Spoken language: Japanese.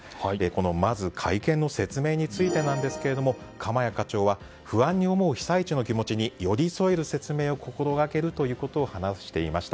まず、会見の説明についてですが鎌谷課長は不安に思う被災地の気持ちに寄り添える説明を心がけると話していました。